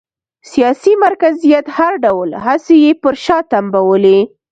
سیاسي مرکزیت هر ډول هڅې یې پر شا تمبولې